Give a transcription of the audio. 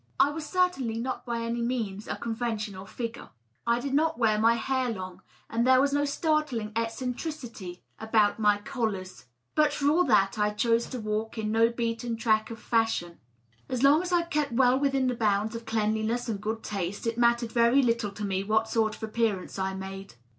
• I was certainly not by any means a conventional figure. I did not wear my hair long, and there was no startling eccentricity about my DOUGLAS DUANE. 651 collars ; but, for all that, I chose to walk in no beaten track of fashion. As long as I kept well within the bounds of cleanliness and good taste, it mattered very little to me what sort of an appearance I made.